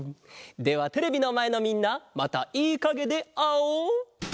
ではテレビのまえのみんなまたいいかげであおう！